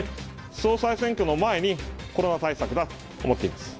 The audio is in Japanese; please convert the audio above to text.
総裁選挙の前にコロナ対策だと思っています。